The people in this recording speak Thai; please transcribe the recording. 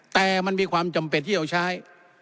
แต่มันมีความจำเป็นที่เอาใช้